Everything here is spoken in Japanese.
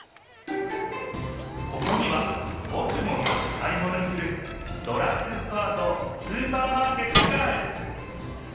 ここにはぼくもよく買いものに来るドラッグストアとスーパーマーケットがある。